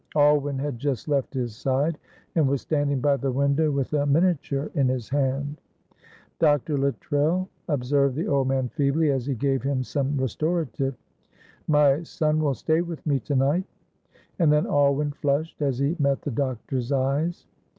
Alwyn had just left his side and was standing by the window with a miniature in his hand. "Dr. Luttrell," observed the old man feebly, as he gave him some restorative, "my son will stay with me to night." And then Alwyn flushed as he met the doctor's eyes.